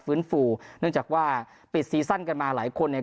ฟูเนื่องจากว่าปิดซีซั่นกันมาหลายคนเนี่ย